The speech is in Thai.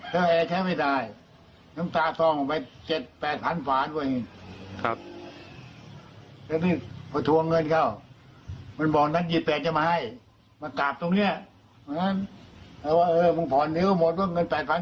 เห็นมาอีก๒๘ทีแล้วจะมาคืน๒๘วันที่๒๘ทีแล้วนี่มันต้องมาอยู่๓๐นิ้วนะครับ